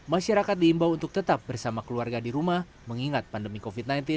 masyarakat diimbau untuk tetap bersama keluarga di rumah mengingat pandemi covid sembilan belas